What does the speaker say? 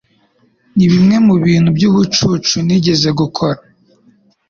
Nibimwe mubintu byubucucu nigeze gukora.